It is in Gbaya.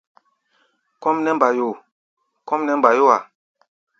Kɔ́ʼm nɛ́ mbayo! kɔ́ʼm nɛ́ mbayó-a.